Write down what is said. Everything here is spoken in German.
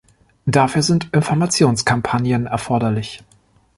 Dafür sind Informationskampagnen erforderlich.